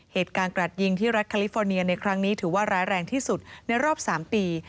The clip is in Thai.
เหตุการณ์กระดยิงที่รัฐแคลิฟอร์เนียในครั้งนี้ถือว่าร้ายแรงที่สุดในรอบ๓ปี